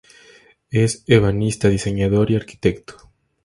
Es ebanista, diseñador y arquitecto.